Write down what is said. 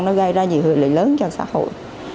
nó gây ra nhiều hệ lị lớn cho xã hội